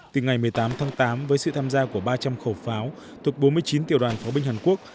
từ ngày một mươi tám tháng tám với sự tham gia của ba trăm linh khẩu pháo thuộc bốn mươi chín tiểu đoàn pháo binh hàn quốc